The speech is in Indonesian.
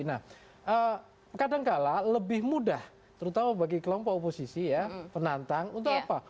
nah kadangkala lebih mudah terutama bagi kelompok oposisi ya penantang untuk apa